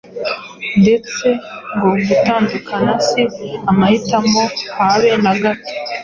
ndetse ngo gutandukana si amahitamo habe na gato.